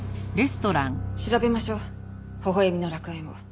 調べましょう微笑みの楽園を。